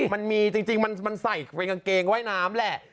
มันมีจริงมันใส่เป็นกางเกงว่ายน้ำแหละ